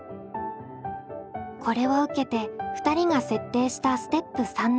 これを受けて２人が設定したステップ３の課題がこちら。